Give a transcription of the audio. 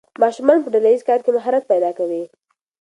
ماشومان په ډله ییز کار کې مهارت پیدا کوي.